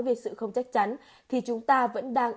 về sự không chắc chắn thì chúng ta vẫn đang